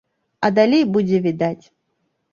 А далей будзе відаць.